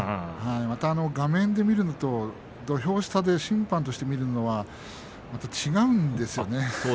また画面で見るのと土俵下で審判として見るのではまた違うんですよね。